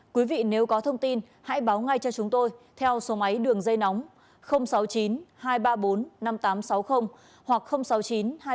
quý vị nếu có thông tin hãy báo ngay cho chúng tôi theo số máy đường dây nóng sáu mươi chín hai trăm ba mươi bốn năm nghìn tám trăm sáu mươi hoặc sáu mươi chín hai trăm ba mươi hai một nghìn sáu trăm sáu mươi bảy